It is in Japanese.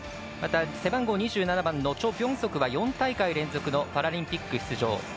また、背番号２７番のチョ・ビョンソクは４大会連続のパラリンピック出場。